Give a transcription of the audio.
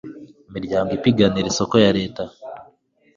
imiryango ipiganira amasoko ya leta